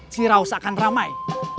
ciraoste akan ramai